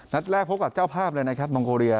นัดแรกพบกับเจ้าภาพเลยนะครับมองโกเรีย